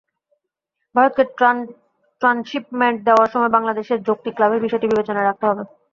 ভারতকে ট্রানশিপমেন্ট দেওয়ার সময় বাংলাদেশের যৌক্তিক লাভের বিষয়টি বিবেচনায় রাখতে হবে।